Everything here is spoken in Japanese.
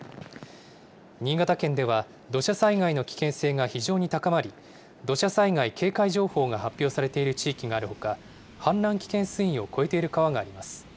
新潟県では、土砂災害の危険性が非常に高まり、土砂災害警戒情報が発表されている地域があるほか、氾濫危険水位を超えている川があります。